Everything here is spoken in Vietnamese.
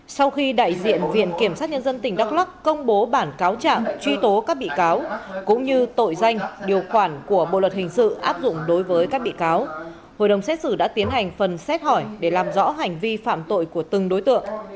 sau khi đại diện viện kiểm sát nhân dân tỉnh đắk lắc công bố bản cáo trạng truy tố các bị cáo cũng như tội danh điều khoản của bộ luật hình sự áp dụng đối với các bị cáo hội đồng xét xử đã tiến hành phần xét hỏi để làm rõ hành vi phạm tội của từng đối tượng